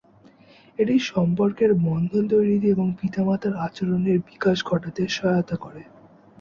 এটি সম্পর্কের বন্ধন তৈরিতে এবং পিতামাতার আচরণের বিকাশ ঘটাতে সহায়তা করে।